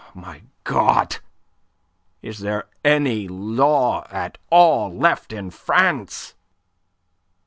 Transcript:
My God! Is there any law at all left in France?"